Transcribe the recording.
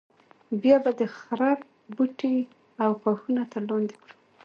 بیا به د خرپ بوټي او ښاخونه تر لاندې کړو.